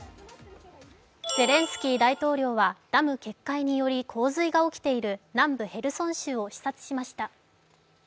ゼレンスキー大統領はダム決壊により、洪水が起きている南部へルソン州を視察しました。